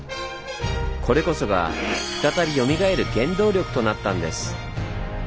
これこそが再びよみがえる原動力となったんです。